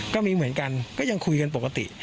ก็มีเหมือนกันก็ยังคุยกันปกติ